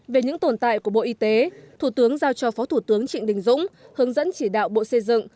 về những tồn tại của bộ y tế thủ tướng giao cho phó thủ tướng trịnh đình dũng hướng dẫn chỉ đạo bộ xây dựng